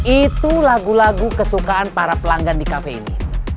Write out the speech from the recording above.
itu lagu lagu kesukaan para pelanggan di kafe ini